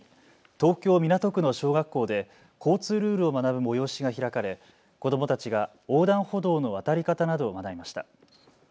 東京港区の小学校で交通ルールを学ぶ催しが開かれ子どもたちが横断歩道の渡り方などを学びました。